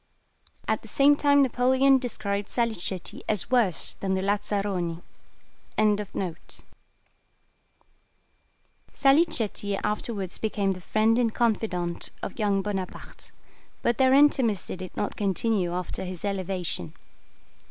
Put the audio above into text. At the same time Napoleon described Salicetti as worse than the lazzaroni.] Salicetti afterwards became the friend and confidant of young Bonaparte; but their intimacy did not continue after his elevation.